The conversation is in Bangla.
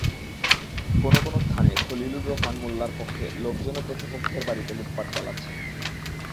কোনো কোনো স্থানে খলিলুর রহমান মোল্লার পক্ষের লোকজনও প্রতিপক্ষের বাড়িতে লুটপাট চালাচ্ছেন।